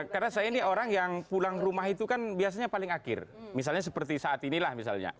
karena saya ini orang yang pulang rumah itu kan biasanya paling akhir misalnya seperti saat inilah misalnya